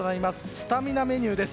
スタミナメニューです。